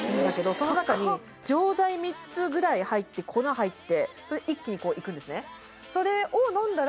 その中に錠剤３つぐらい入って粉入ってそれ一気にこういくんですね